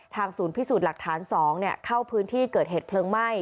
ศูนย์พิสูจน์หลักฐาน๒เข้าพื้นที่เกิดเหตุเพลิงไหม้